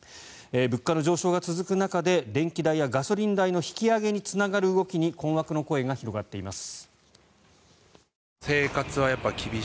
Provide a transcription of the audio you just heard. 物価の上昇が続く中で電気代やガソリン代の引き上げにつながる動きに困惑の声が広がっています。